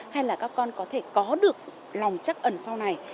hay là các con có thể có được lòng chắc ẩn sau này